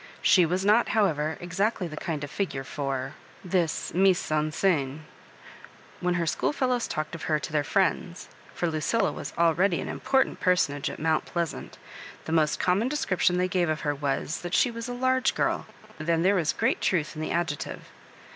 She was not, however, exactly the kind of figure for this mine en achkc When her schoolfellows talked of her to their friends— for Lucilla was already an important personage at Mount Pleasant — ^the most common description they gave of her was, that she was " a large girl," and there was great trutli in the adjective.